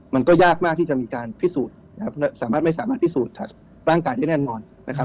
มันก็ยากมากที่จะมีการพิสูจน์สามารถไม่สามารถพิสูจน์ร่างกายได้แน่นอนนะครับ